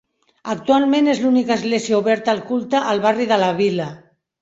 Actualment és l'única església oberta al culte al barri de la Vila.